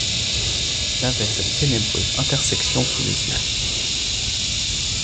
Il avait cette ténébreuse intersection sous les yeux.